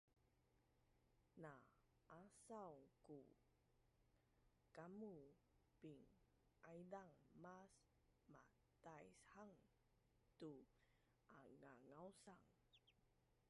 na asaun ku kamu pin-aizaan mas mataishang tu alngangausan